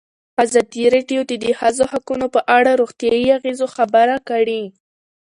ازادي راډیو د د ښځو حقونه په اړه د روغتیایي اغېزو خبره کړې.